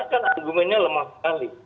karena kan argumennya lemah sekali